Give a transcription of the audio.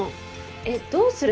えっどうする？